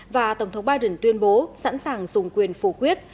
và tổng thống biden tuyên bố sẵn sàng dùng quyền phủ quyết